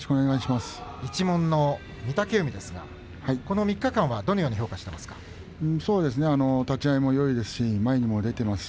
一門の御嶽海ですがこの３日間はどのように評価していますか。